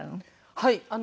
はい。